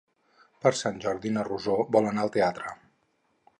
Per Sant Jordi na Rosó vol anar al teatre.